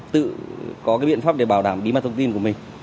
tự có cái biện pháp để bảo đảm bí mật thông tin của mình